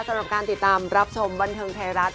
สำหรับการติดตามรับชมบันเทิงไทยรัฐ